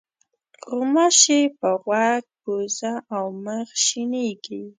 غوماشې په غوږ، پوزه او مخ شېنېږي.